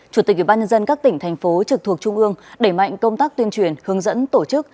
chủ tịch ủy ban nhân dân các tỉnh thành phố trực thuộc trung ương đẩy mạnh công tác tuyên truyền hướng dẫn tổ chức